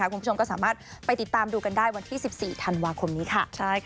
คุณผู้ชมก็สามารถไปติดตามดูกันได้วันที่๑๔ธันวาคมนี้ค่ะ